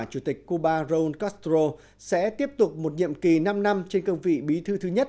chủ tịch cuba rol castro sẽ tiếp tục một nhiệm kỳ năm năm trên cương vị bí thư thứ nhất